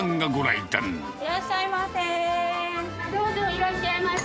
いらっしゃいませ。